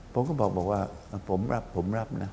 ผมก็บอกว่าผมรับผมรับนะ